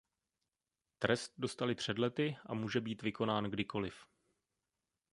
Trest dostali před lety a může být vykonán kdykoliv.